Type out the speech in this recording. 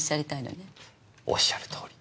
おっしゃるとおり。